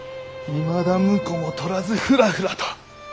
いまだ婿も取らずふらふらと！